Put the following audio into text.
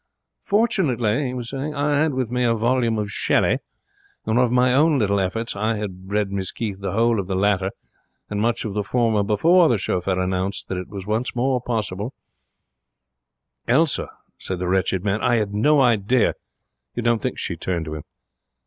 'Fortunately,' he was saying, 'I had with me a volume of Shelley, and one of my own little efforts. I had read Miss Keith the whole of the latter and much of the former before the chauffeur announced that it was once more possible ' 'Elsa,' said the wretched man, 'I had no idea you don't think ' She turned to him.